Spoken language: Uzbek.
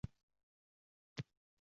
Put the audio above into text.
Dil to’q bo’lsa – to’lgaydir ilik.